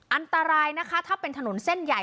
อันตรายนะคะถ้าเป็นถนนเส้นใหญ่